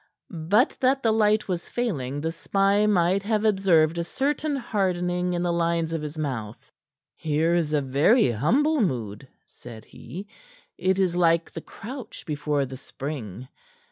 But that the light was failing, the spy might have observed a certain hardening in the lines of his mouth. "Here is a very humble mood," said he. "It is like the crouch before the spring.